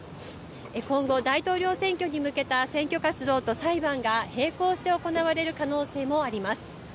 今後、大統領選挙に向けた選挙活動と裁判が並行して行われる可能性もあります。